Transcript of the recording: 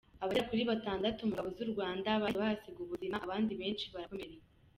Abagera kuri batandatu mu ngabo z’u Rwanda bahise bahasiga ubuzima, abandi benshi barakomereka.